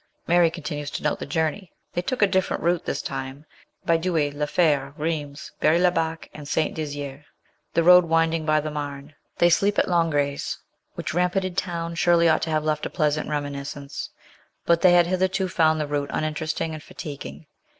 Mary continues to note the journey. They took a different route this time by Douai, La Fere, Rheims, Berri le bac, and St. Dizier, the road winding by the Marne. They sleep at Langres, which ramparted town surely ought to have left a pleasant remini scence ; but they had hitherto found the route unin teresting and fatiguing.